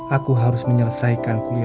aku harus menyelesaikan kondisiku